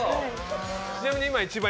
ちなみに。